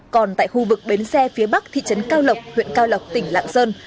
còn tại khu vực bến xe phía bắc thị trấn cao lộc huyện cao lộc tỉnh lạng sơn